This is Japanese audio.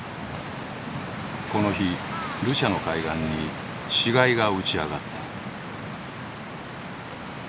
この日ルシャの海岸に死骸が打ち上がった。